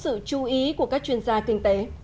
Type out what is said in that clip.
sự chú ý của các chuyên gia kinh tế